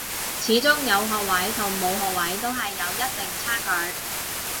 始終有學位同冇學位都係有一定差距